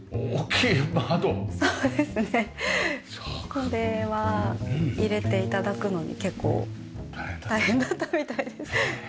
これは入れて頂くのに結構大変だったみたいです。